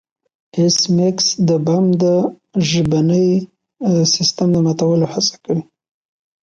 ایس میکس د بم د ژبني سیستم د ماتولو هڅه کوي